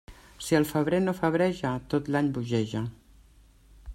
Si el febrer no febreja, tot l'any bogeja.